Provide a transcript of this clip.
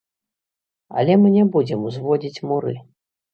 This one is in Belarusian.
Але мы не будзем узводзіць муры.